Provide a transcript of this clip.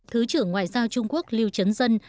thứ trưởng ngoại giao trung quốc lưu trấn dân